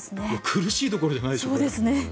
苦しいどころじゃないでしょう。